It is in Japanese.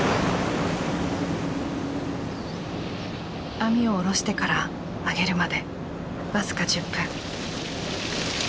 網を下ろしてから上げるまで僅か１０分。